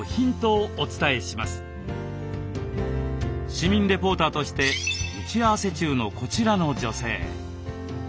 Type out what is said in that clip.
市民レポーターとして打ち合わせ中のこちらの女性。